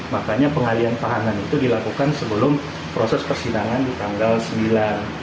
makanya pengalihan tahanan itu dilakukan sebelum proses persidangan di tanggal sembilan